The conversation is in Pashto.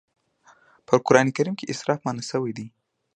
په قرآن کريم کې اسراف منع شوی دی.